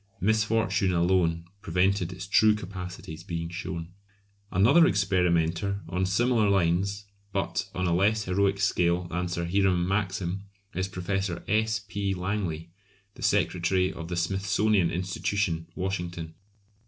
Misfortune alone prevented its true capacities being shown. Another experimenter on similar lines, but on a less heroic scale than Sir Hiram Maxim, is Professor S. P. Langley, the secretary of the Smithsonian Institution, Washington.